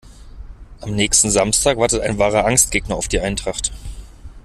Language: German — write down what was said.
Am nächsten Samstag wartet ein wahrer Angstgegner auf die Eintracht.